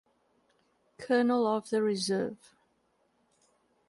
Colonel of the Reserve.